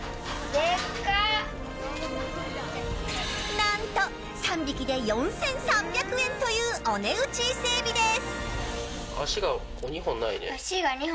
何と３匹で４３００円というお値打ち伊勢エビです。